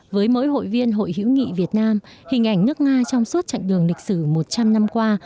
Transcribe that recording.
với mỗi hội viên hội hữu nghị việt nam hình ảnh nước nga trong suốt chặng đường lịch sử một trăm linh năm qua